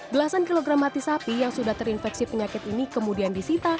belasan kilogram mati sapi yang sudah terinfeksi penyakit ini kemudian disita